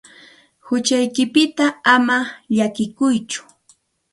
Huchaykipita ama llakikuytsu.